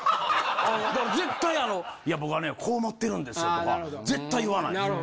絶対あの僕はねこう思ってるんですよとか絶対言わないんですよ。